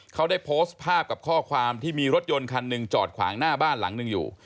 เขาได้โพสต์ภาพกับข้อความที่มีรถยนต์คันหนึ่งจอดขวางหน้าบ้านหลังหนึ่งอยู่